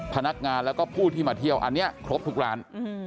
พนักงานแล้วก็ผู้ที่มาเที่ยวอันนี้ครบทุกร้าน